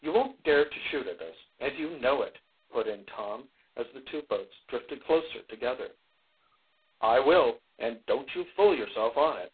"You won't dare to shoot at us, and you know it," put in Tom, as the two boats drifted closer together. "I will, and don't you fool yourself on it."